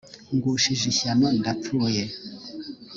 ngushije ishyano ndapfuye